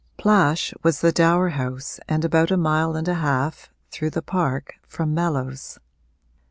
Plash was the dower house and about a mile and a half, through the park, from Mellows.